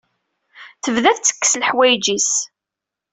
Tebda tettekkes leḥwayeǧ-is.